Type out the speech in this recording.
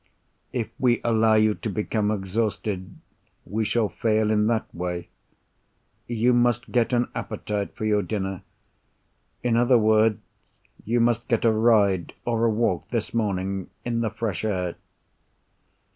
If we allow you to become exhausted, we shall fail in that way. You must get an appetite for your dinner. In other words, you must get a ride or a walk this morning, in the fresh air."